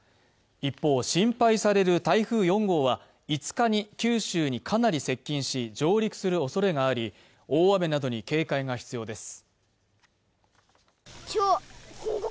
一方、心配される台風４号は５日に九州にかなり接近し上陸するおそれがあり、大雨などに警戒が必要です。